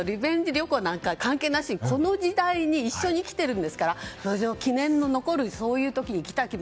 旅行なんか関係なしにこの時代に一緒に生きているんですから記念に残るそういう時に行きたい。